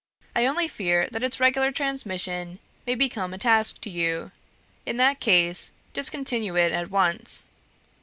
I only fear that its regular transmission may become a task to you; in this case, discontinue it at once.